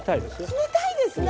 冷たいですね。